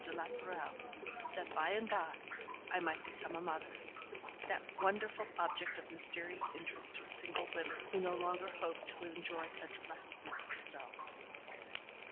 de la Tourelle, that by and by I might become a mother that wonderful object of mysterious interest to single women, who no longer hope to enjoy such blessedness themselves.